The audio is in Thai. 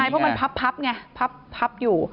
เพราะมันพับไงพับอยู่